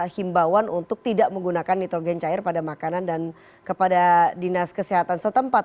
himbawan untuk tidak menggunakan nitrogen cair pada makanan dan kepada dinas kesehatan setempat